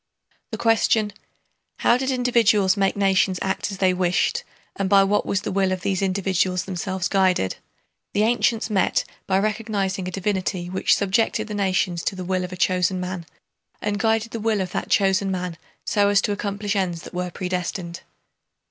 The question: how did individuals make nations act as they wished and by what was the will of these individuals themselves guided? the ancients met by recognizing a divinity which subjected the nations to the will of a chosen man, and guided the will of that chosen man so as to accomplish ends that were predestined.